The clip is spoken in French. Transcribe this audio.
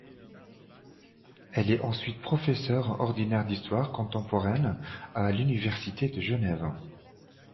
Elle est ensuite professeure ordinaire d'histoire contemporaine à l’Université de Genève.